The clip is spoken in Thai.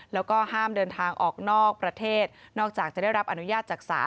แล้วก็ห้ามเดินทางออกนอกประเทศนอกจากจะได้รับอนุญาตจากศาล